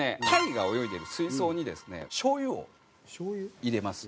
鯛が泳いでる水槽にですねしょうゆを入れます。